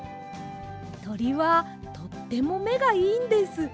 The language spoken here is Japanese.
とりはとってもめがいいんです。